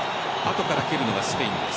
後から蹴るのがスペインです。